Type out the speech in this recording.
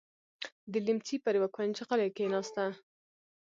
د ليمڅي پر يوه کونج غلې کېناسته.